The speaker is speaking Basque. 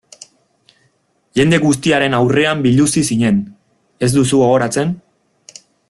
Jende guztiaren aurrean biluzi zinen, ez duzu gogoratzen?